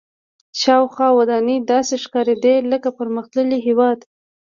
شاوخوا ودانۍ داسې ښکارېدې لکه پرمختللي هېواد.